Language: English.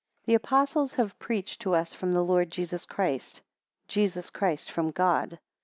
THE Apostles have preached to us from the Lord Jesus Christ Jesus Christ from God.